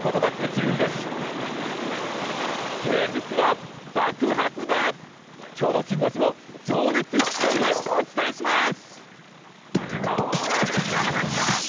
きょうのきん５時も、情熱いっぱいでお伝えします。